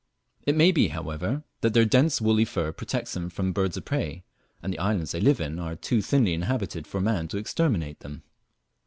It may be, however, that their dense woolly fur protects them from birds of prey, and the islands they live in are too thinly inhabited for man to be able to exterminate them.